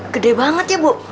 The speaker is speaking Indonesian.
gede banget ya bu